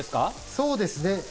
そうですね。